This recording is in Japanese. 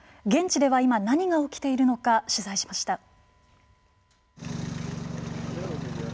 現地では今、何が起きているのか取材しました。